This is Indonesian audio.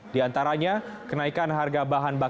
di antaranya kenaikan harga bahan bakar